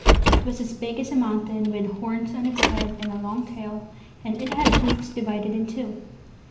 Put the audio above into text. It was as big as a mountain, with horns on its head, and a long tail, and it had hoofs divided in two."